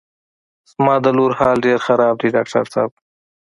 زما د لور حال ډېر خراب دی ډاکټر صاحب.